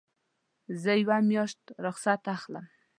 زه یوه میاشت رخصت اخلم.